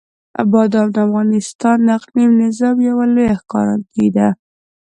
بادام د افغانستان د اقلیمي نظام یوه لویه ښکارندوی ده.